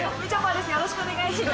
よろしくお願いしまー